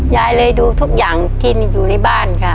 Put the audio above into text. ยายเลยดูทุกอย่างที่อยู่ในบ้านค่ะ